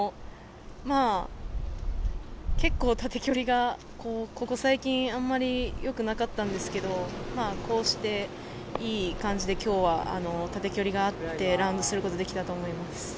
結構縦距離がここ最近あまりよくなかったんですけどこうしていい感じで今日は縦距離があってラウンドすることができたと思います。